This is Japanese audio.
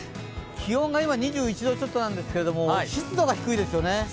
気温が今、２１度ちょっとなんですけど、湿度が低いですよね。